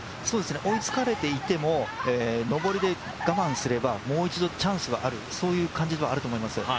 追いつかれていても上りで我慢すれば、もう一度チャンスはある、そういう感じはあると思います。